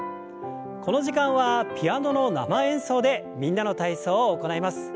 この時間はピアノの生演奏で「みんなの体操」を行います。